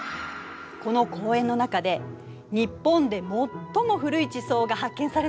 この公園の中で日本で最も古い地層が発見されたの。